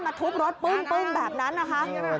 ทุบรถปึ้งแบบนั้นนะคะ